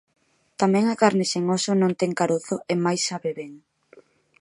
Tamén a carne sen óso non ten carozo e mais sabe ben.